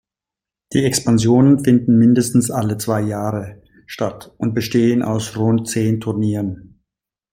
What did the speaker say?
Die Expansionen finden mindestens alle zwei Jahre statt und bestehen aus rund zehn Turnieren.